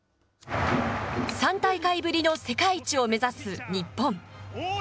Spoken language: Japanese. ３大会ぶりの世界一を目指す日本。